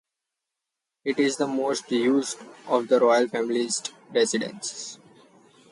It is the most used of the Royal Family's residences.